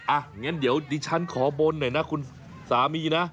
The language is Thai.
อ่ะงั้นเดี๋ยวดิฉันขอบนหน่อยนะคุณสามีนะ